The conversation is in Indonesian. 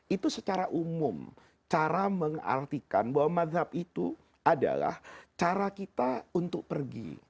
itu secara umum cara mengartikan bahwa madhab itu adalah cara kita untuk pergi